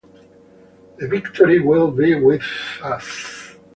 The Victory will be with us.